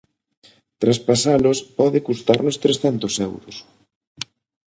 Traspasalos pode custarnos trescentos euros.